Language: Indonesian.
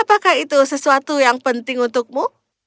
apakah itu sesuatu yang penting untukmu